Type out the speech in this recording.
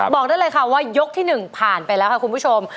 บอกได้เลยค่ะว่ายกที่๑ผ่านไปแล้วค่ะคุณผู้ชม